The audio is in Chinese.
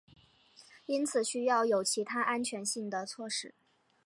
因此需要有其他安全性的措施。